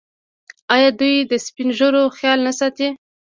آیا دوی د سپین ږیرو خیال نه ساتي؟